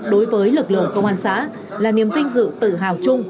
đối với lực lượng công an xã là niềm vinh dự tự hào chung